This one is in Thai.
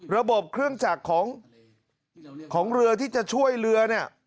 ระบบเครื่องจักรของเรือที่จะช่วยเรือเนี่ย